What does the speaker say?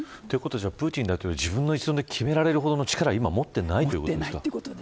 プーチン大統領は自分の一存で決められるほどの力を持ってないということですか。